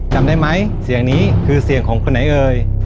จำได้ไหมเสียงนี้คือเสียงของคนไหนเอ่ย